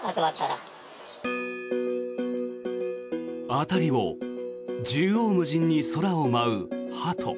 辺りを縦横無尽に空を舞うハト。